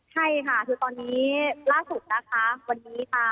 ใช่ค่ะคือตอนนี้ล่าสุดนะคะวันนี้ค่ะ